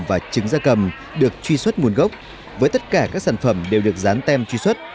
và trứng da cầm được truy xuất nguồn gốc với tất cả các sản phẩm đều được dán tem truy xuất